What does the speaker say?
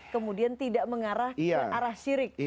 kemudian tidak mengarah ke arah sirik